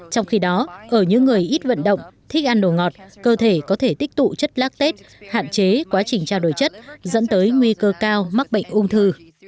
trong khi đó ở những người ít vận động thích ăn đồ ngọt cơ thể có thể tích tụ chất lác tết hạn chế quá trình trao đổi chất dẫn tới nguy cơ cao mắc bệnh ung thư